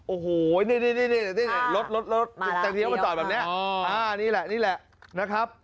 โอ้โหนี่รถรถจะเลี้ยวมาจอดแบบนี้นี่แหละนี่แหละนะครับ